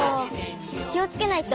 きをつけないと！